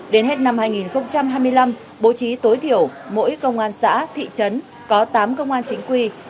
đến hết năm hai nghìn hai mươi năm bố trí tối thiểu mỗi công an xã thị trấn có tám công an chính quy